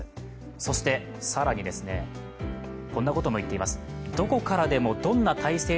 そして更に、こんなことも言っています。